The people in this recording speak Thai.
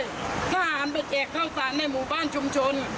ทหารไปแกะข้าวตาลในหมู่บ้านชุมชน